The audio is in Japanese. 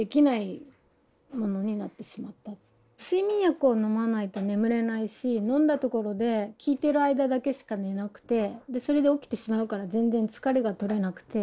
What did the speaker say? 睡眠薬を飲まないと眠れないし飲んだところで効いてる間だけしか寝なくてそれで起きてしまうから全然疲れが取れなくて。